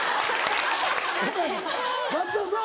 「松田さん